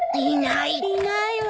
いないわ。